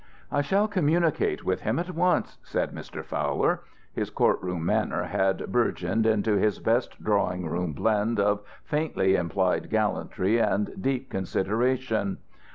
"I shall communicate with him at once," said Mr. Fowler. His court room manner had bourgeoned into his best drawing room blend of faintly implied gallantry and deep consideration.